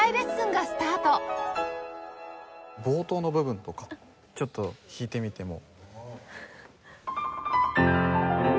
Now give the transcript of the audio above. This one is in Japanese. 冒頭の部分とかちょっと弾いてみても。